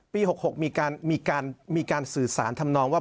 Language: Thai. ๖๖มีการสื่อสารทำนองว่า